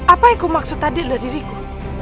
apa yang aku maksud tadi adalah diriku